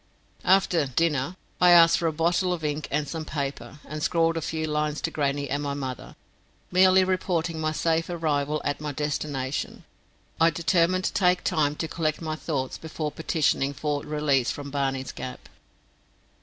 After "dinner" I asked for a bottle of ink and some paper, and scrawled a few lines to grannie and my mother, merely reporting my safe arrival at my destination. I determined to take time to collect my thoughts before petitioning for release from Barney's Gap.